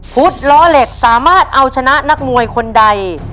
ล้อเหล็กสามารถเอาชนะนักมวยคนใด